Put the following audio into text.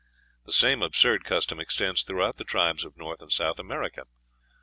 The same absurd custom extends throughout the tribes of North and South America.